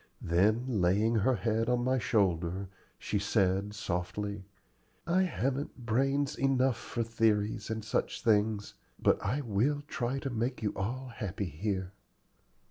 Then, laying her head on my shoulder, she said, softly, "I haven't brains enough for theories and such things, but I will try to make you all happy here."